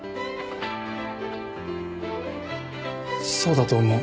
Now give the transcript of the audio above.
そうだと思う。